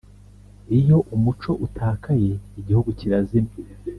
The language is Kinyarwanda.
Iyo umuco utakaye igihugu kirazima